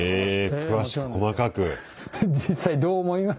詳しく細かく。